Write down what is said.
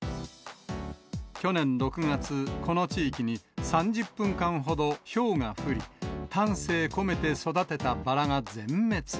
去年６月、この地域に３０分間ほどひょうが降り、丹精込めて育てたバラが全滅。